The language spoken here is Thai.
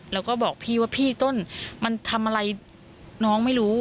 แล้วก็บอกพี่ว่าพี่ต้นมันทำอะไรน้องไม่รู้